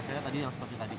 saya tadi yang seperti tadi